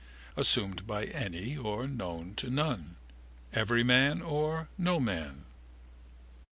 Assumed by any or known to none. Everyman or Noman.